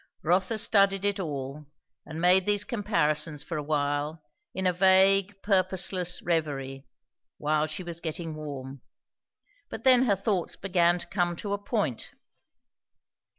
Rotha studied it all and made these comparisons for a while, in a vague, purposeless reverie, while she was getting warm; but then her thoughts began to come to a point.